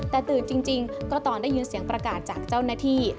แต่ตื่นจริงก็ตอนได้ยินเสียงประกาศจากเจ้าหน้าที่